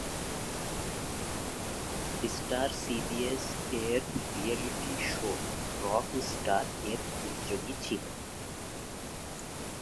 Star CBS এর reality show "Rock Star" এর প্রতিযোগী ছিলেন।